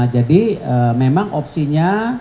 jadi memang opsinya